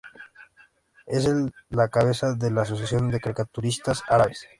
Él es la cabeza de la Asociación de Caricaturistas Árabes.